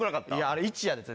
あれ１やで絶対。